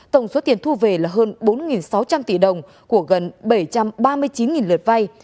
tổng số tiền thu về là hơn bốn sáu trăm linh tỷ đồng của gần bảy trăm ba mươi chín lượt vay